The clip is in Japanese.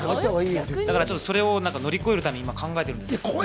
だからそれを乗り越えるために考えてるんです。